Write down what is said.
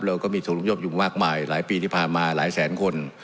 เราก็มีส่วนร่วมยบอยู่มากมายหลายปีที่ผ่านมาหลายแสนคน